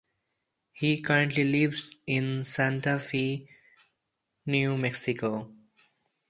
He currently lives in Santa Fe, New Mexico.